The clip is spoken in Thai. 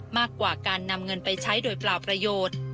มากกว่าการนำเงินไปใช้โดยเปล่าประโยชน์